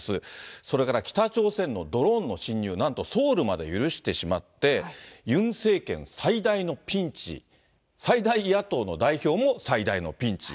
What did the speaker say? それから北朝鮮のドローンの侵入、なんとソウルまで許してしまって、ユン政権最大のピンチ、最大野党の代表も最大のピンチ。